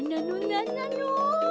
なんなの？